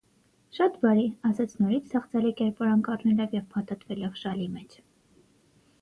- Շատ բարի,- ասաց նորից թախծալի կերպարանք առնելով և փաթաթվելով շալի մեջ: